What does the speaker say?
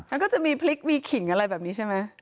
มันก็จะมีพริกมีขิงอะไรแบบนี้ใช่ไหม